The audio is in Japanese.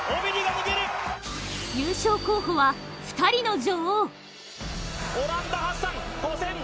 優勝候補は２人の女王。